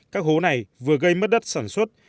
các hố này vừa gây mất đất sản xuất